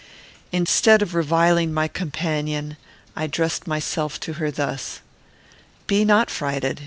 Instead of reviling my companion, I addressed myself to her thus: "Be not frighted.